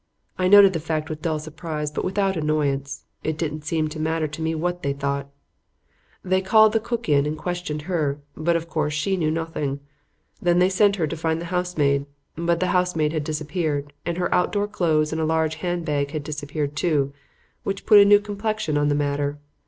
I noted the fact with dull surprise but without annoyance. It didn't seem to matter to me what they thought. "They called the cook in and questioned her, but, of course, she knew nothing. Then they sent her to find the housemaid. But the housemaid had disappeared and her outdoor clothes and a large hand bag had disappeared too; which put a new complexion on the matter.